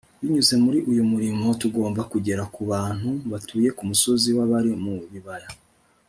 binyuze muri uyu murimo, tugomba kugera ku bantu batuye ku misozi n'abari mu bibaya